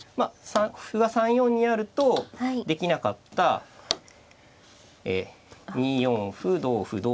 歩は３四にあるとできなかった２四歩同歩